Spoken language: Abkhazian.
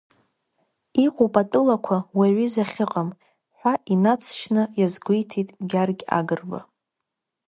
Иҟоуп атәылақәа уи аҩыза ахьыҟам, ҳәа инаҵшьны иазгәеиҭеит Гьаргь Агрба.